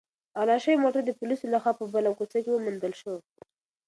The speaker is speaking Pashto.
غلا شوی موټر د پولیسو لخوا په بله کوڅه کې وموندل شو.